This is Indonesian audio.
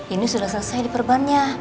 ini sudah selesai di perbannya